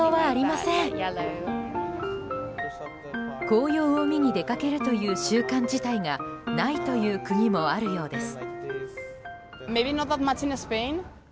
紅葉を見に出かける習慣自体がないという国もあるようです。